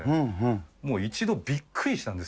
もう一度びっくりしたんです。